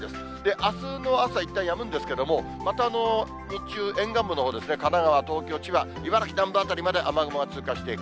あすの朝、いったんやむんですけれども、また日中、沿岸部のほうですね、神奈川、東京、千葉、茨城南部辺りまで雨雲が通過していく。